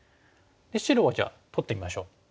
白はじゃあ取ってみましょう。